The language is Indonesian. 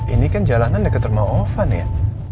ini kan jalanan dekat rumah ovan ya